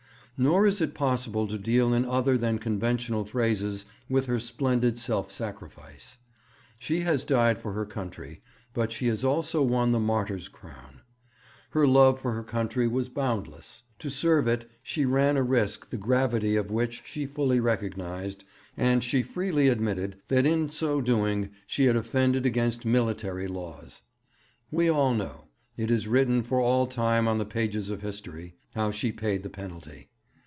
Nor is it possible to deal in other than conventional phrases with her splendid self sacrifice. She has died for her country, but she has also won the martyr's crown. Her love for her country was boundless. To serve it she ran a risk the gravity of which she fully recognized, and she freely admitted that in so doing she had offended against military laws. We all know it is written for all time on the pages of history how she paid the penalty.